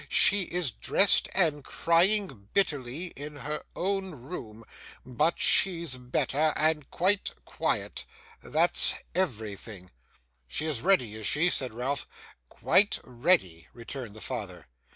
She is dressed, and crying bitterly in her own room; but she's better, and quite quiet. That's everything!' 'She is ready, is she?' said Ralph. 'Quite ready,' returned the father.